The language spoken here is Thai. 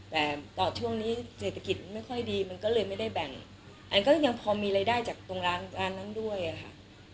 แต่ต่อช่วงนี้เศรษฐกิจไม่ค่อยดีมันก็เลยไม่ได้แบ่งอันก็ยังพอมีรายได้จากตรงร้านร้านนั้นด้วยค่ะ